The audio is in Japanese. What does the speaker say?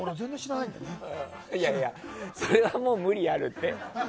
いやいや、それは無理あるって。